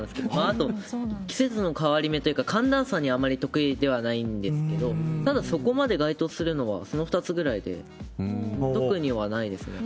あと、季節の変わり目というか、寒暖差にあまり得意ではないんですけど、ただ、そこまで該当するのはその２つぐらいで、特にはないですね。